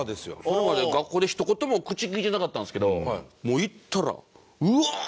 それまで学校でひと言も口利いてなかったんですけどもう行ったらうわー！